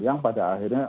yang pada akhirnya